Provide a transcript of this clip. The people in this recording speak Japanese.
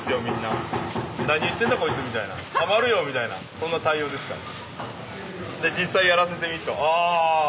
そんな対応ですから。